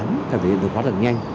cảm thấy được hóa rất nhanh